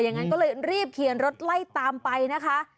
อย่างนั้นก็เลยรีบเขียนรถไล่ตามไปนะคะ